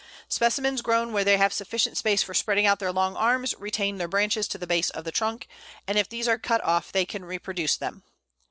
Specimens grown where they have sufficient space for spreading out their long arms, retain their branches to the base of the trunk, and if these are cut off they can reproduce them.